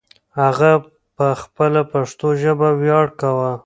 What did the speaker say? هغه په خپله پښتو ژبه ویاړ کاوه.